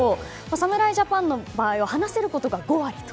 侍ジャパンの場合は話せることが５割と。